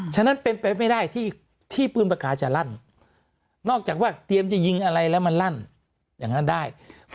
ฉะนั้นไม่ได้ที่ที่กลุ่มจะลั่นนอกจากว่าเรียนยิงอะไรแล้วมันลั่นอย่างนั้นได้